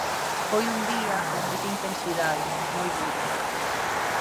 Foi un día con moita intensidade, moi duro.